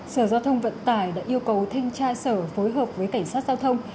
sở giao thông vận tải đã yêu cầu thanh tra sở phối hợp với cảnh sát giao thông